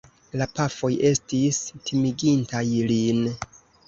La pafoj estis timigintaj lin.